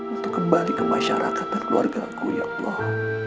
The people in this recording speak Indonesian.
untuk kembali ke masyarakat dan keluarga ku ya allah